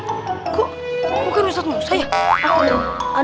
kok bukan ustadz musa ya